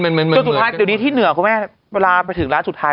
เพราะสุดท้ายที่เหนือเวลาไปถึงร้านสุดท้าย